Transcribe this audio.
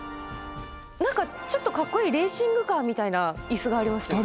中ちょっとかっこいいレーシングカーみたいな椅子があります。